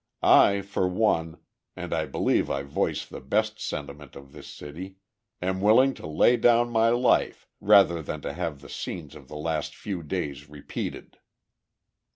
I for one, and I believe I voice the best sentiment of this city, am willing to lay down my life rather than to have the scenes of the last few days repeated."